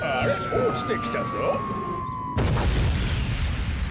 おちてきたぞ。